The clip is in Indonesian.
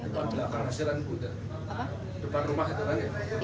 depan rumah itu kan ya